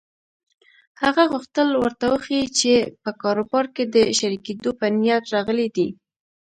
هغه غوښتل ورته وښيي چې په کاروبار کې د شريکېدو په نيت راغلی دی.